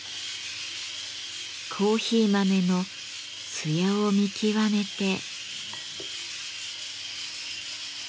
コーヒー豆の艶を見極めて。